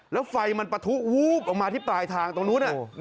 แล้วไฟมันปะทุวูบออกมาที่ปลายทางตรงนู้น